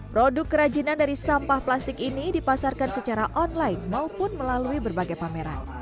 produk kerajinan dari sampah plastik ini dipasarkan secara online maupun melalui berbagai pameran